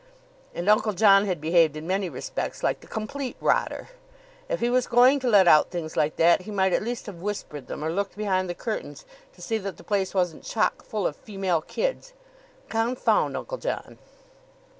And Uncle John had behaved in many respects like the Complete Rotter. If he was going to let out things like that, he might at least have whispered them, or looked behind the curtains to see that the place wasn't chock full of female kids. Confound Uncle John!